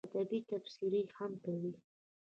ادبي تبصرې هم کوي.